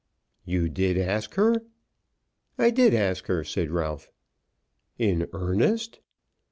"You did ask her?" "I did ask her," said Ralph. "In earnest?"